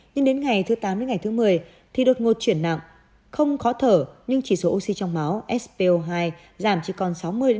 nhưng đến ngày thứ tám một mươi thì đột ngột chuyển nặng không khó thở nhưng chỉ số oxy trong máu spo hai giảm chỉ còn sáu mươi bảy mươi